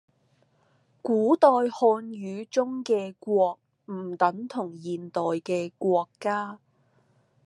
古代漢語中嘅「國」唔等同現代嘅「國家」